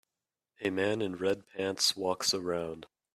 A man in red pants walks around.